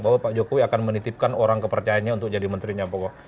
bahwa pak jokowi akan menitipkan orang kepercayaannya untuk jadi menterinya